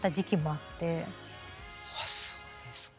あそうですか。